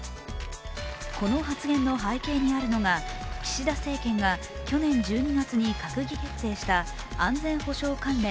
この発言の背景にあるのが岸田政権が去年１２月に閣議決定した安全保障関連